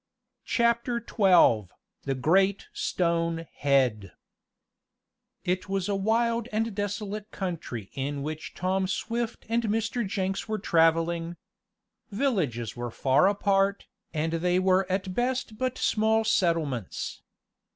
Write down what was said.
CHAPTER XII THE GREAT STONE HEAD It was a wild and desolate country in which Tom Swift and Mr. Jenks were traveling. Villages were far apart, and they were at best but small settlements.